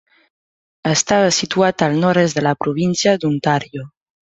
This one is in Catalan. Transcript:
Estava situat al nord-est de la província d'Ontario.